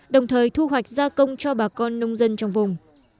đồng thời thu hoạch gia công cho bà con nông dân trong vùng